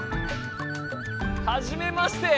はじめまして！